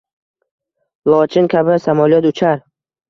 Lochin kabi samolyot uchar